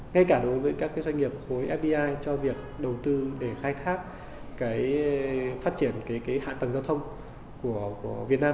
ngay cả đối với các doanh nghiệp khối fdi cho việc đầu tư để khai thác phát triển hạ tầng giao thông của việt nam